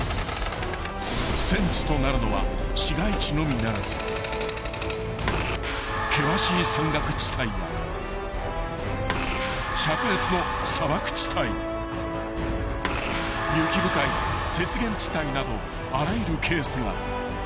［戦地となるのは市街地のみならず険しい山岳地帯や灼熱の砂漠地帯雪深い雪原地帯などあらゆるケースが］